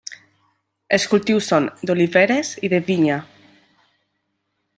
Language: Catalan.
Els cultius són d'oliveres i de vinya.